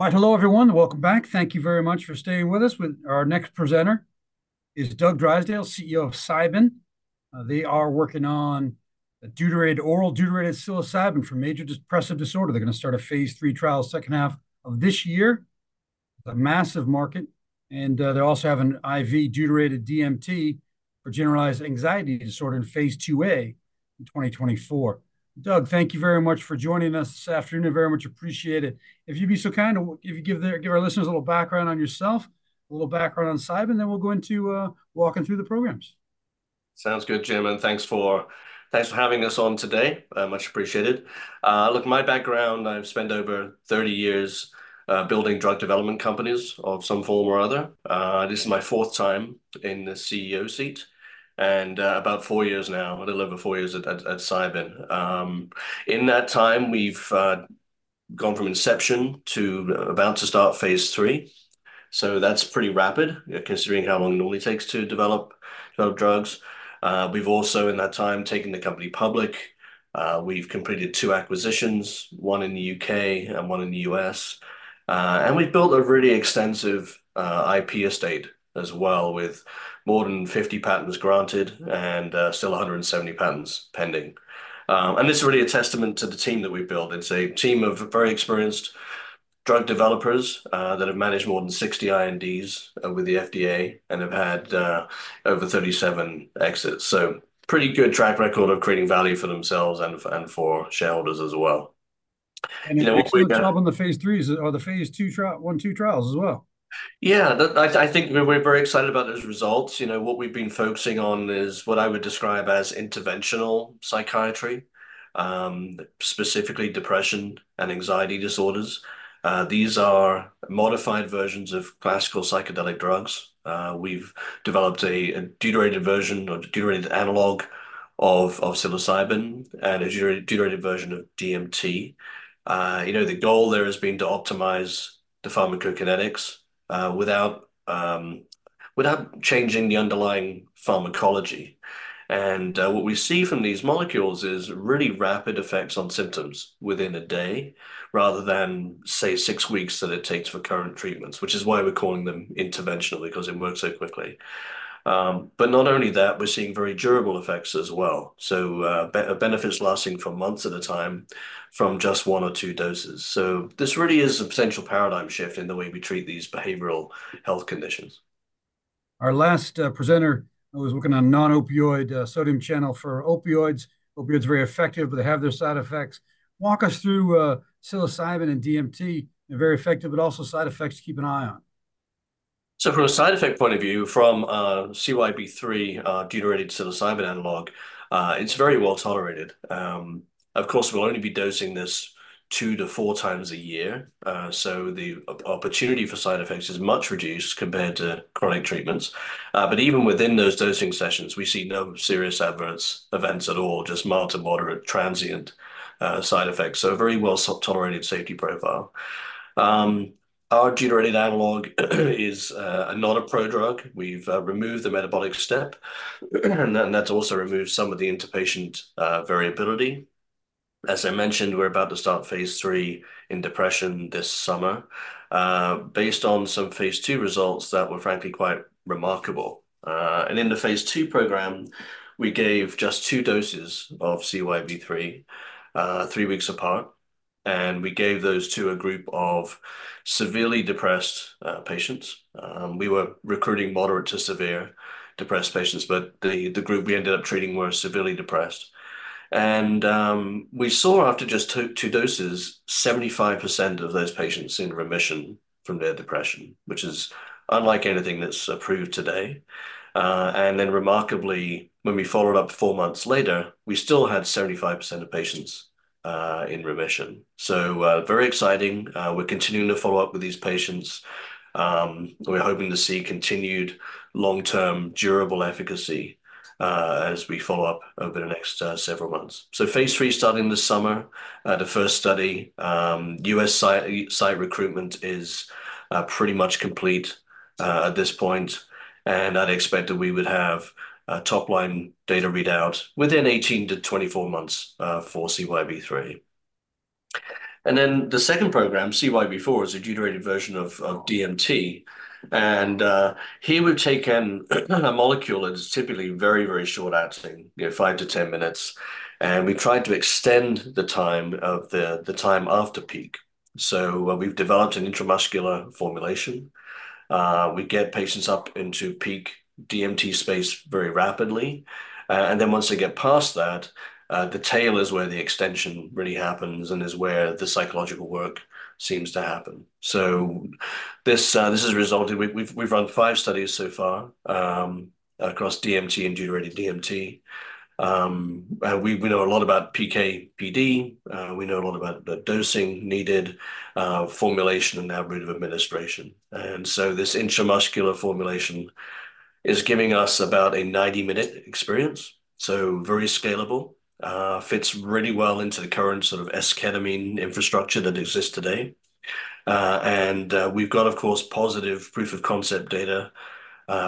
Hi. Hello, everyone. Welcome back. Thank you very much for staying with us. Our next presenter is Doug Drysdale, CEO of Cybin. They are working on a deuterated, oral deuterated psilocybin for major depressive disorder. They're gonna start a phase III trial second half of this year. It's a massive market, and they also have an IV deuterated DMT for generalized anxiety disorder in phase II a in 2024. Doug, thank you very much for joining us this afternoon. I very much appreciate it. If you'd be so kind, if you give their, give our listeners a little background on yourself, a little background on Cybin, and then we'll go into walking through the programs. Sounds good, Jim, and thanks for having us on today. Much appreciated. Look, my background, I've spent over 30 years building drug development companies of some form or other. This is my fourth time in the CEO seat, and about four years now, a little over four years at Cybin. In that time, we've gone from inception to about to start phase III, so that's pretty rapid, considering how long it normally takes to develop drugs. We've also, in that time, taken the company public. We've completed two acquisitions, one in the U.K. and one in the U.S. we've built a really extensive IP estate as well, with more than 50 patents granted and still 170 patents pending. This is really a testament to the team that we've built. It's a team of very experienced drug developers that have managed more than 60 INDs with the FDA and have had over 37 exits. Pretty good track record of creating value for themselves and for, and for shareholders as well. You know, we've got- A good job on the phase IIIs or the phase I/II trials as well. I think we're very excited about those results. You know, what we've been focusing on is what I would describe as interventional psychiatry, specifically depression and anxiety disorders. These are modified versions of classical psychedelic drugs. We've developed a deuterated version or deuterated analogue of psilocybin and a deuterated version of DMT. You know, the goal there has been to optimize the pharmacokinetics without changing the underlying pharmacology. And what we see from these molecules is really rapid effects on symptoms within a day, rather than, say, six weeks that it takes for current treatments, which is why we're calling them interventional, because it works so quickly. Not only that, we're seeing very durable effects as well. Benefits lasting for months at a time from just one or two doses. This really is a potential paradigm shift in the way we treat these behavioral health conditions. Our last presenter was working on non-opioid sodium channel for opioids. Opioids are very effective, but they have their side effects. Walk us through psilocybin and DMT. They're very effective, but also side effects to keep an eye on. From a side effect point of view, from CYB003, deuterated psilocybin analogue, it's very well tolerated. Of course, we'll only be dosing this two to four times a year, so the opportunity for side effects is much reduced compared to chronic treatments. Even within those dosing sessions, we see no serious adverse events at all, just mild to moderate transient side effects. A very well-tolerated safety profile. Our deuterated analogue is not a prodrug. We've removed the metabolic step, and that's also removed some of the interpatient variability. As I mentioned, we're about to start phase III in depression this summer, based on some phase II results that were frankly quite remarkable. In the phase II program, we gave just two doses of CYB003, three weeks apart, and we gave those to a group of severely depressed patients. We were recruiting moderate to severe depressed patients, but the group we ended up treating were severely depressed. We saw, after just two doses, 75% of those patients in remission from their depression, which is unlike anything that's approved today. Remarkably, when we followed up four months later, we still had 75% of patients in remission. Very exciting. We're continuing to follow up with these patients. We're hoping to see continued long-term, durable efficacy, as we follow up over the next several months. phase III starting this summer. The first study, U.S. site, site recruitment is pretty much complete at this point, and I'd expect that we would have top-line data read out within 18-24 months for CYB003. Then the second program, CYB004, is a deuterated version of DMT, and here we've taken a molecule that is typically very, very short-acting, you know, 5-10 minutes, and we tried to extend the time of the time after peak. We've developed an intramuscular formulation. We get patients up into peak DMT space very rapidly, and then once they get past that, the tail is where the extension really happens and is where the psychological work seems to happen. This has resulted. We've run five studies so far across DMT and deuterated DMT. We know a lot about PK/PD. We know a lot about the dosing needed, formulation, and route of administration. This intramuscular formulation is giving us about a 90-minute experience, so very scalable, fits really well into the current sort of esketamine infrastructure that exists today. We've got, of course, positive proof of concept data,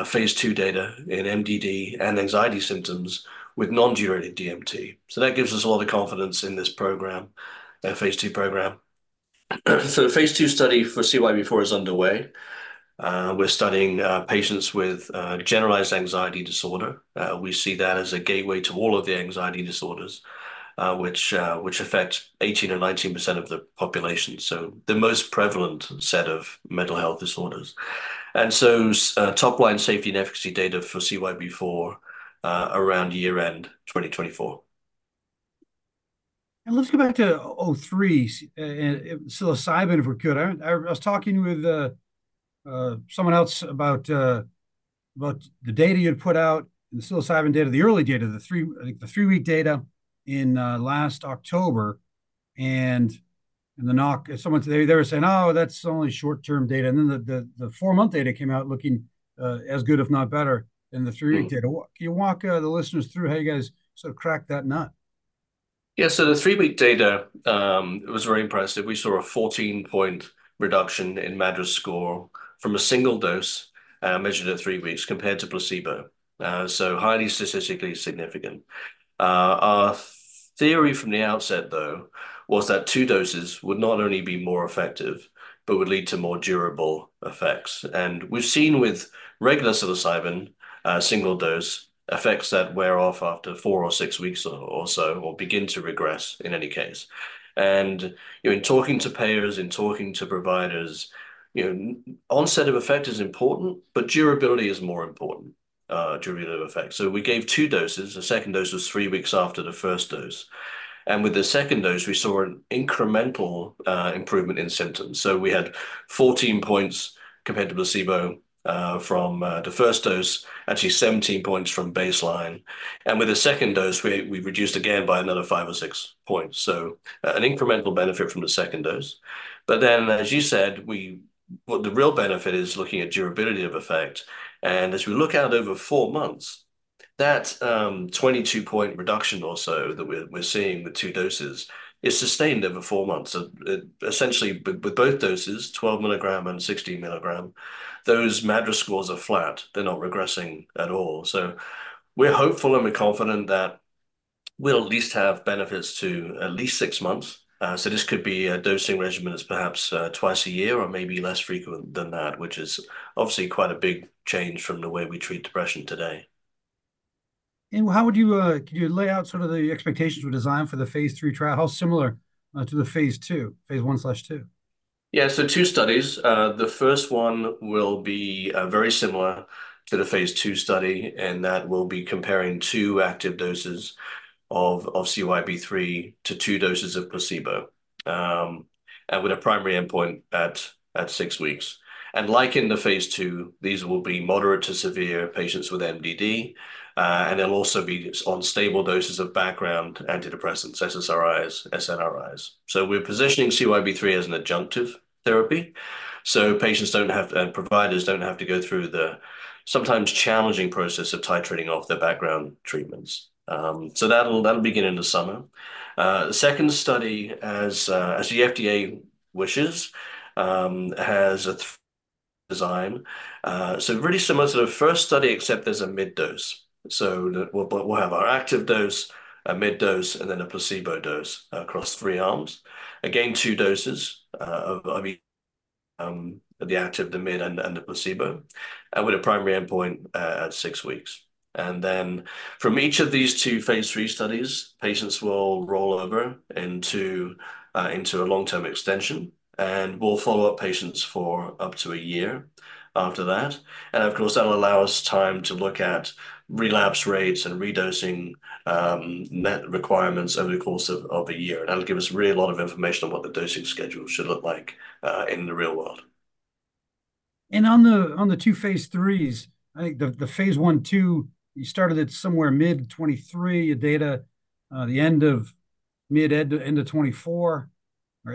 phase II data in MDD and anxiety symptoms with non-deuterated DMT. That gives us a lot of confidence in this program, phase II program. The phase II study for CYB004 is underway. We're studying patients with generalized anxiety disorder. We see that as a gateway to all of the anxiety disorders, which affect 18 or 19% of the population, so the most prevalent set of mental health disorders. Top line safety and efficacy data for CYB004 around year-end 2024. Let's go back to CYB003, the psilocybin, if we could. I was talking with someone else about the data you'd put out, the psilocybin data, the early data, the three, I think the three-week data in last October. In the note, someone, they were saying, "Oh, that's only short-term data." Then the four-month data came out looking as good, if not better, than the three-week data. Can you walk the listeners through how you guys sort of cracked that nut? The three-week data, it was very impressive. We saw a 14-point reduction in MADRS score from a single dose, measured at three weeks, compared to placebo. Highly statistically significant. Our theory from the outset, though, was that two doses would not only be more effective, but would lead to more durable effects. We've seen with regular psilocybin, single dose, effects that wear off after four or six weeks or so, or begin to regress in any case. You know, in talking to payers, in talking to providers, you know, onset of effect is important, but durability is more important, durability of effect. We gave two doses. The second dose was three weeks after the first dose, and with the second dose, we saw an incremental improvement in symptoms. We had 14 points compared to placebo, from the first dose, actually 17 points from baseline. And with the second dose, we reduced again by another five or six points, so an incremental benefit from the second dose. But then, as you said. Well, the real benefit is looking at durability of effect, and as we look out over four months, that 22-point reduction or so that we're seeing with two doses is sustained over four months. Essentially, with both doses, 12 mg and 16 mg, those MADRS scores are flat. They're not regressing at all. We're hopeful, and we're confident that we'll at least have benefits to at least six months. This could be a dosing regimen that's perhaps twice a year or maybe less frequent than that, which is obviously quite a big change from the way we treat depression today. How would you, could you lay out sort of the expectations for design for the phase three trial? How similar to the phase two, phase one slash two? Two studies. The first one will be very similar to the phase II study, and that will be comparing two active doses of CYB003 to two doses of placebo, and with a primary endpoint at six weeks. Like in the phase II, these will be moderate to severe patients with MDD, and they'll also be on stable doses of background antidepressants, SSRIs, SNRIs. We're positioning CYB003 as an adjunctive therapy, so patients don't have, and providers don't have to go through the sometimes challenging process of titrating off their background treatments. That'll begin in the summer. The second study, as the FDA wishes, has a design. So really similar to the first study, except there's a mid dose. That we'll have our active dose, a mid dose, and then a placebo dose across three arms. Again, two doses, I mean, the active, the mid, and the placebo with a primary endpoint at six weeks. Then from each of these two phase III studies, patients will roll over into a long-term extension, and we'll follow up patients for up to a year after that. Of course, that'll allow us time to look at relapse rates and re-dosing, net requirements over the course of a year. That'll give us really a lot of information on what the dosing schedule should look like in the real world. On the two phase IIIs, I think the phase I/II you started it somewhere mid-2023, your data the end of mid- to end of 2024, or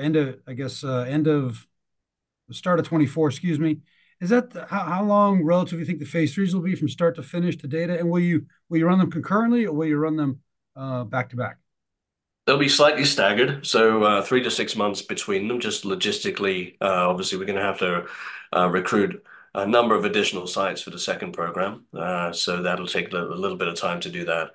start of 2024, excuse me. Is that how long relatively you think the phase IIIs will be from start to finish the data? Will you run them concurrently, or will you run them back to back? They'll be slightly staggered, so, three to six months between them. Just logistically, obviously, we're gonna have to recruit a number of additional sites for the second program. That'll take a little bit of time to do that.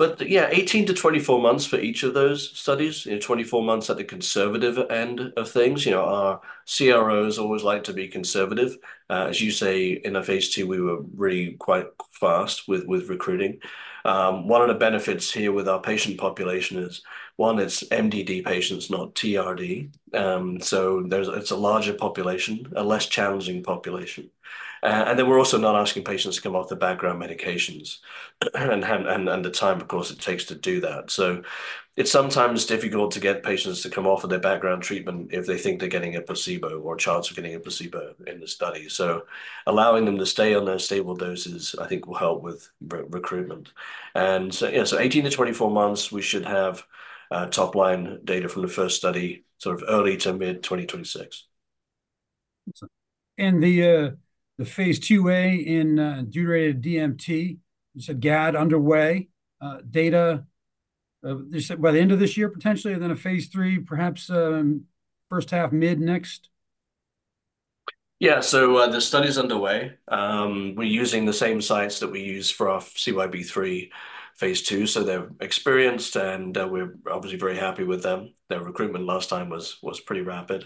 18 to 24 months for each of those studies, 24 months at the conservative end of things. You know, our CROs always like to be conservative. As you say, in the phase II, we were really quite fast with recruiting. One of the benefits here with our patient population is, one, it's MDD patients, not TRD, so it's a larger population, a less challenging population. And then we're also not asking patients to come off their background medications, and the time, of course, it takes to do that. It's sometimes difficult to get patients to come off of their background treatment if they think they're getting a placebo or a chance of getting a placebo in the study. Allowing them to stay on their stable doses, I think, will help with recruitment. 18 to 24 months, we should have top-line data from the first study, sort of early to mid-2026. The phase IIa in deuterated DMT, you said GAD underway, data? They said by the end of this year, potentially, and then a phase III, perhaps, first half, mid next? The study's underway. We're using the same sites that we used for our CYB003 phase II, so they're experienced, and, we're obviously very happy with them. Their recruitment last time was pretty rapid.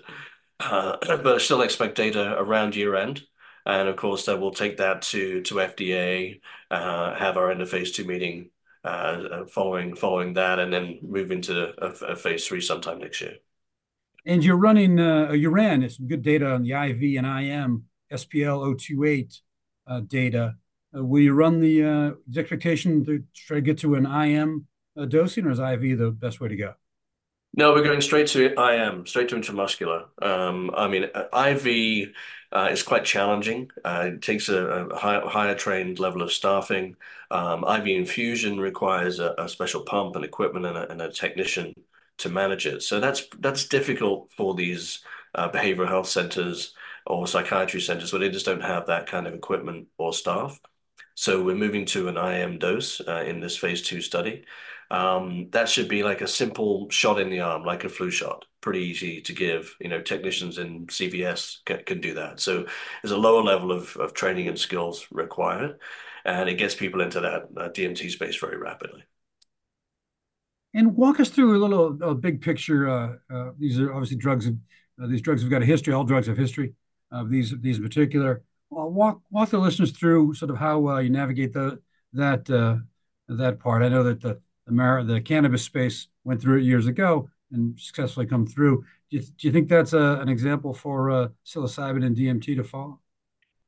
But still expect data around year-end, and of course, then we'll take that to FDA, have our end of phase II meeting, following that, and then move into a phase III sometime next year. You're running, you ran some good data on the IV and IM SPL028 data. Will you run the uncertain to try to get to an IM dosing, or is IV the best way to go? No, we're going straight to IM, straight to intramuscular. I mean, IV is quite challenging. It takes a higher trained level of staffing. IV infusion requires a special pump and equipment and a technician to manage it. So that's difficult for these behavioral health centers or psychiatry centers, where they just don't have that kind of equipment or staff. We're moving to an IM dose in this phase II study. That should be like a simple shot in the arm, like a flu shot. Pretty easy to give. You know, technicians in CVS can do that. There's a lower level of training and skills required, and it gets people into that DMT space very rapidly. Walk us through a little big picture. These are obviously drugs of these drugs have got a history. All drugs have history, these in particular. Walk the listeners through sort of how you navigate that part. I know that the cannabis space went through it years ago and successfully come through. Do you think that's an example for psilocybin and DMT to follow?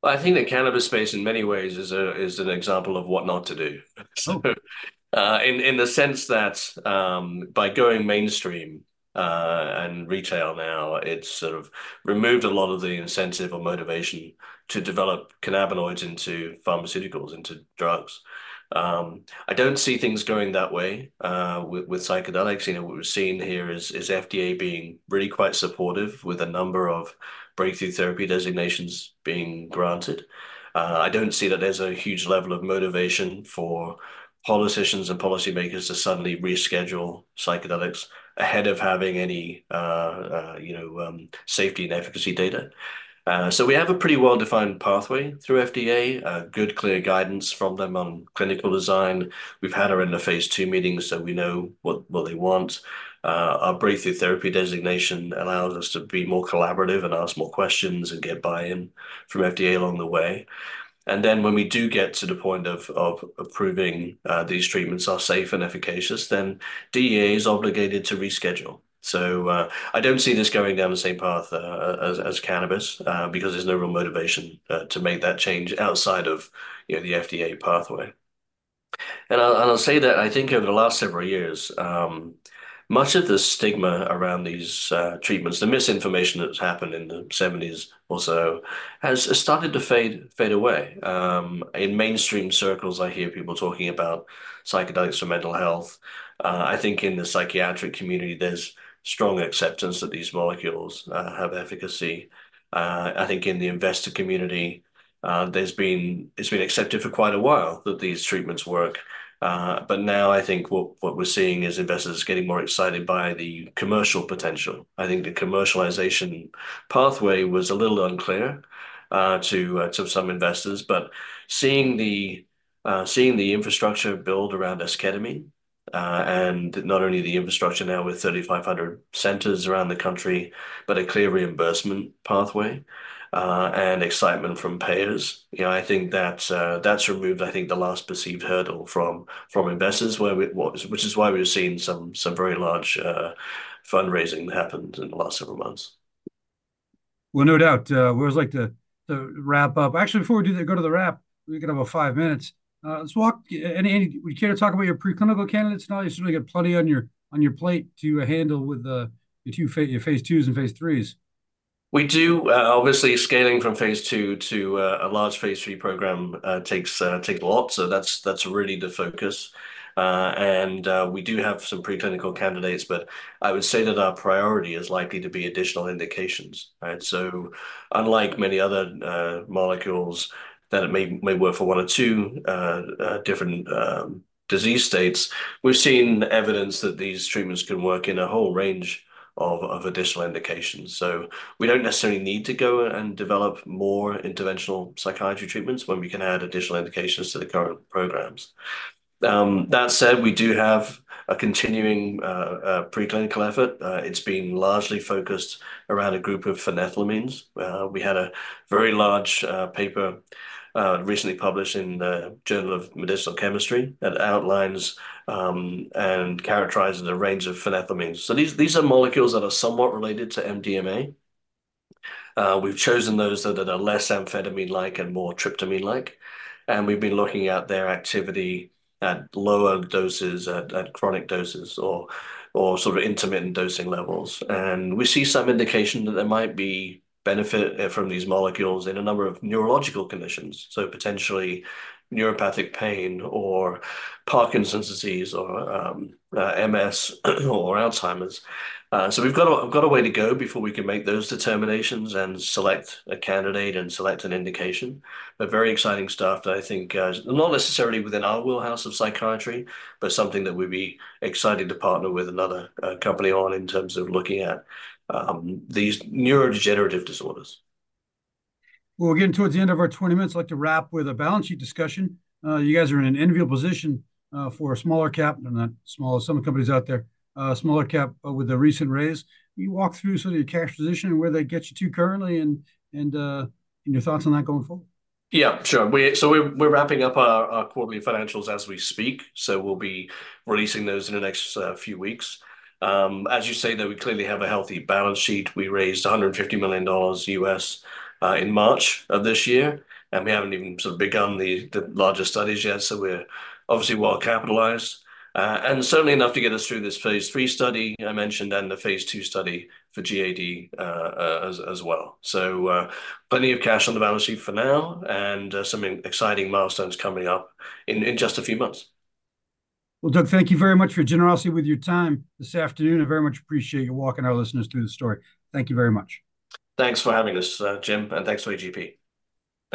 Well, I think the cannabis space, in many ways, is an example of what not to do in the sense that, by going mainstream and retail now, it's sort of removed a lot of the incentive or motivation to develop cannabinoids into pharmaceuticals, into drugs. I don't see things going that way with psychedelics. You know, what we've seen here is FDA being really quite supportive with a number of breakthrough therapy designations being granted. I don't see that there's a huge level of motivation for politicians and policymakers to suddenly reschedule psychedelics ahead of having any, you know, safety and efficacy data. We have a pretty well-defined pathway through FDA, good, clear guidance from them on clinical design. We've had our end of phase II meetings, so we know what they want. Our breakthrough therapy designation allows us to be more collaborative and ask more questions and get buy-in from FDA along the way. When we do get to the point of proving these treatments are safe and efficacious, then DEA is obligated to reschedule. I don't see this going down the same path as cannabis because there's no real motivation to make that change outside of, you know, the FDA pathway. I'll say that I think over the last several years, much of the stigma around these treatments, the misinformation that's happened in the 1970s or has started to fade away. In mainstream circles, I hear people talking about psychedelics for mental health. I think in the psychiatric community, there's strong acceptance that these molecules have efficacy. I think in the investor community, there's been... it's been accepted for quite a while that these treatments work. Now I think what we're seeing is investors getting more excited by the commercial potential. I think the commercialization pathway was a little unclear to some investors, but seeing the infrastructure build around Esketamine, and not only the infrastructure now with 3,500 centers around the country, but a clear reimbursement pathway, and excitement from payers, you know, I think that's removed, I think, the last perceived hurdle from investors, which is why we've seen some very large fundraising happened in the last several months. Well, no doubt. We always like to wrap up. Actually, before we go to the wrap up, we've got about five minutes. Would you care to talk about your preclinical candidates now? You certainly got plenty on your plate to handle with the two phase IIs and phase IIIs. We do. Obviously, scaling from phase II to a large phase III program takes a lot, so that's really the focus. And we do have some preclinical candidates, but I would say that our priority is likely to be additional indications, right? Unlike many other molecules that it may work for one or two different disease states, we've seen evidence that these treatments can work in a whole range of additional indications. We don't necessarily need to go and develop more interventional psychiatry treatments when we can add additional indications to the current programs. That said, we do have a continuing preclinical effort. It's been largely focused around a group of phenethylamines, where we had a very large paper recently published in the Journal of Medicinal Chemistry that outlines and characterizes a range of phenethylamines. These are molecules that are somewhat related to MDMA. We've chosen those that are less amphetamine-like and more tryptamine-like, and we've been looking at their activity at lower doses, at chronic doses, or sort of intermittent dosing levels. We see some indication that there might be benefit from these molecules in a number of neurological conditions, so potentially neuropathic pain or Parkinson's disease or MS or Alzheimer's. We've got a way to go before we can make those determinations and select a candidate and select an indication. Very exciting stuff that I think is, not necessarily within our wheelhouse of psychiatry, but something that we'd be excited to partner with another company on in terms of looking at these neurodegenerative disorders. We're getting towards the end of our 20 minutes. I'd like to wrap with a balance sheet discussion. You guys are in an enviable position for a smaller cap, well, not small, some companies out there, smaller cap, with the recent raise. Can you walk through sort of your cash position and where that gets you to currently, and your thoughts on that going forward? Sure. We're wrapping up our quarterly financials as we speak, so we'll be releasing those in the next few weeks. As you say, though, we clearly have a healthy balance sheet. We raised $150 million in March of this year, and we haven't even sort of begun the larger studies yet, so we're obviously well-capitalized. Certainly enough to get us through this phase III study I mentioned, and the phase II study for GAD as well. Plenty of cash on the balance sheet for now, and some exciting milestones coming up in just a few months. Well, Doug, thank you very much for your generosity with your time this afternoon. I very much appreciate you walking our listeners through the story. Thank you very much. Thanks for having us, Jim, and thanks to AGP.